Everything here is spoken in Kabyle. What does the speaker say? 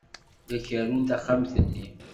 La kerrun taxxamt-nni.